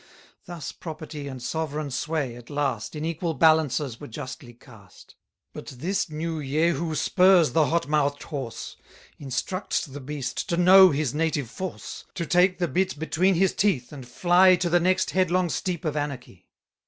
Thus property and sovereign sway, at last, In equal balances were justly cast: But this new Jehu spurs the hot mouth'd horse Instructs the beast to know his native force; 120 To take the bit between his teeth, and fly To the next headlong steep of anarchy.